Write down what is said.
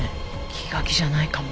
気が気じゃないかも。